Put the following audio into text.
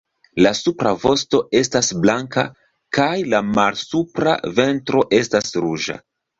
La supra vosto estas blanka kaj la malsupra ventro estas ruĝa.